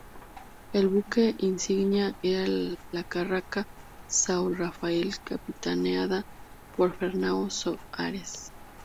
El buque insignia era la carraca "São Rafael", capitaneada por Fernão Soares.